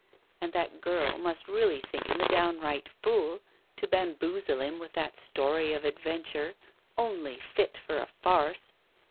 And that girl must really think him a downright fool, to bamboozle him with that story of adventure only fit for a farce.